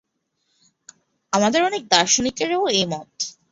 আমাদের অনেক দার্শনিকেরও এই মত।